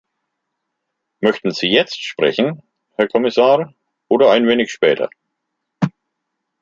Möchten Sie jetzt sprechen, Herr Kommissar, oder ein wenig später?